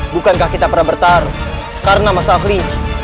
bukankah kita pernah bertaruh karena masa akhli